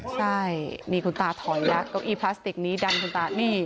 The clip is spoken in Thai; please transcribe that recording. ใช่นี่คุณตาถอยแล้วเก้าอี้พลาสติกนี้ดันคุณตานี่